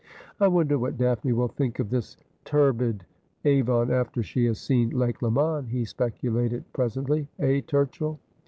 ' I wonder what Daphne will think of this turbid Avon after she has seen Lake Leman,' he speculated presently, ' eh, Turchill?'